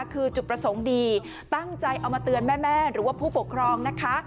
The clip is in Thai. คือจุดประสงค์ดีตั้งใจเอามาเตือนแม่หรือว่าผู้ปกครองนะคะ